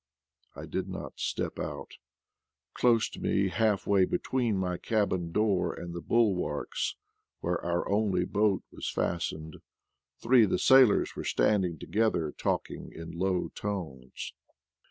I did not step out; close to me, half way between my cabin door and the bulwarks, where our only boat was fas tened, three of the sailors were standing together talking in low tones.